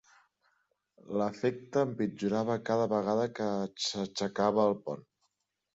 L'efecte empitjorava cada vegada que s'aixecava el pont.